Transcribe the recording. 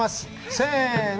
せの！